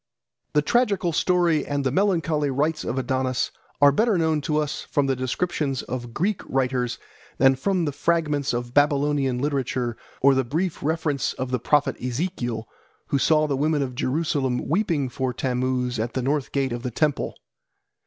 The tragical story and the melancholy rites of Adonis are better known to us from the descriptions of Greek writers than from the fragments of Babylonian literature or the brief reference of the prophet Ezekiel, who saw the women of Jerusalem weeping for Tammuz at the north gate of the temple.